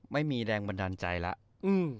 ไม่มีแรงบันดาลใจแล้ว